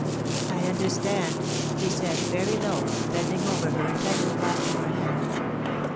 * I understand,' he said, very low, bending over her and tightly clasping her hand.